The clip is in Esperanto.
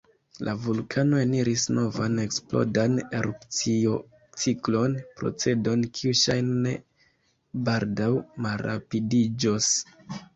La vulkano eniris novan eksplodan erupciociklon, procedon kiu ŝajne ne baldaŭ malrapidiĝos.